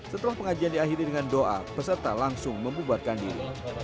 setelah pengajian diakhiri dengan doa peserta langsung membubarkan diri